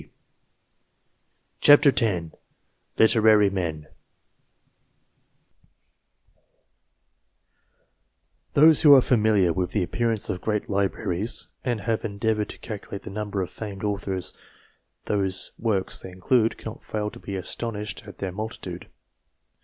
160 LITERAEY MEN LITEEAEY MEN THOSE who are familiar with the appearance of great libraries, and have endeavoured to calculate the number of famed authors, whose works they include, cannot fail to be astonished at their multitude.